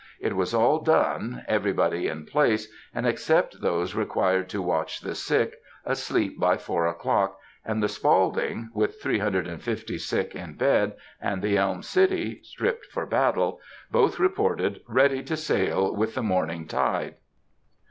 It was all done, everybody in place, and, except those required to watch the sick, asleep by four o'clock, and the Spaulding (with 350 sick in bed) and the Elm City (stripped for battle) both reported ready to sail with the morning tide.